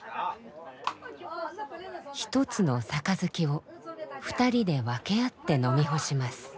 １つの杯を２人で分け合って飲み干します。